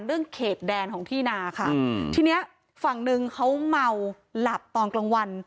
เขตแดนของที่นาค่ะอืมทีเนี้ยฝั่งหนึ่งเขาเมาหลับตอนกลางวัน